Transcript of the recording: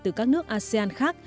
từ các nước asean khác